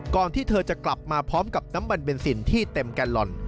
ที่เธอจะกลับมาพร้อมกับน้ำมันเบนซินที่เต็มแกลลอน